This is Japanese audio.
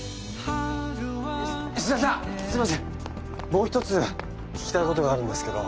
もう一つ聞きたいことがあるんですけど。